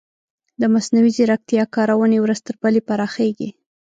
د مصنوعي ځیرکتیا کارونې ورځ تر بلې پراخیږي.